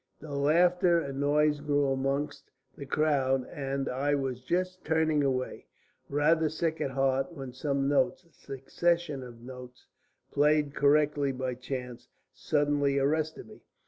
The laughter and noise grew amongst the crowd, and I was just turning away, rather sick at heart, when some notes, a succession of notes played correctly by chance, suddenly arrested me.